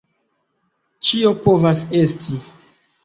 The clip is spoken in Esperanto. Ĉio povas esti!